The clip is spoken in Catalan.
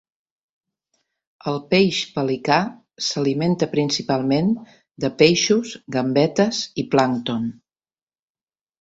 El peix pelicà s'alimenta principalment de peixos, gambetes i plàncton.